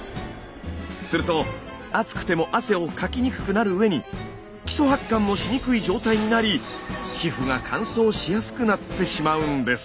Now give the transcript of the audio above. すると暑くても汗をかきにくくなる上に基礎発汗もしにくい状態になり皮膚が乾燥しやすくなってしまうんです。